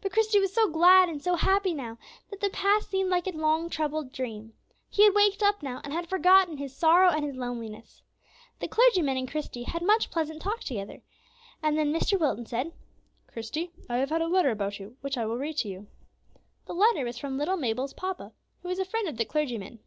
But Christie was so glad and so happy now, that the past seemed like a long, troubled dream. He had waked up now, and had forgotten his sorrow and his loneliness. The clergyman and Christie had much pleasant talk together, and then Mr. Wilton said, "Christie, I have had a letter about you, which I will read to you." The letter was from little Mabel's papa, who was a friend of the clergyman.